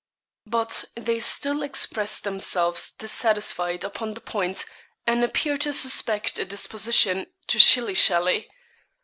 But 'they still express themselves dissatisfied upon the point, and appear to suspect a disposition to shilly shally.'